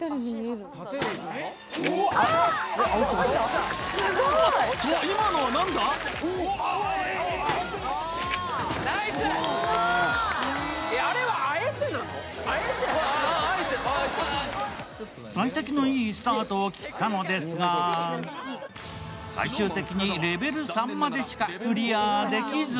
さい先のいいスタートを切ったのですが最終的にレベル３までしかクリアできず。